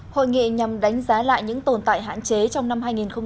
hội nghị nhằm đánh giá lại những tồn tại hạn chế trong năm hai nghìn một mươi chín